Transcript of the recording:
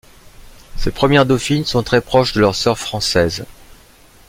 Ces premières Dauphine sont très proches de leurs sœurs françaises.